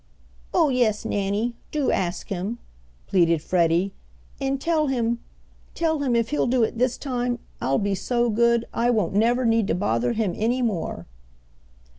"Oh, yes, Nannie, do ask Him," pleaded Freddie, "and tell Him tell Him if He'll do it this time, I'll be so good I won't never need to bother Him any more."